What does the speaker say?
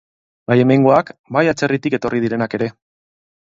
Bai hemengoak, bai atzerritik etorri direnak ere.